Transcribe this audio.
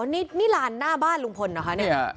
อ๋อนี่นี่ลานหน้าบ้านลุงพลเหรอคะเนี่ย